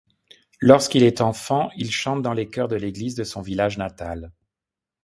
Lorsqu'il est enfant, il chante dans les chœurs de l'église de son village natal.